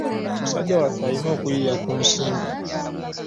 Musajja wattu alina okuyiiya ku nsimbi.